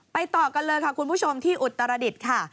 ต่อกันเลยค่ะคุณผู้ชมที่อุตรดิษฐ์ค่ะ